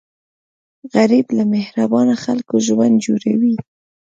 غریب له مهربانه خلکو ژوند جوړوي